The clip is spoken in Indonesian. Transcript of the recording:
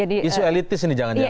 isu elitis ini jangan jangan